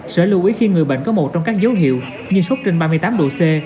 sở lưu ý khi người bệnh có một trong các dấu hiệu như sốt trên ba mươi tám độ c